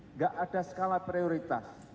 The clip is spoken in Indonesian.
enggak ada skala prioritas